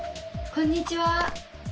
こんにちは。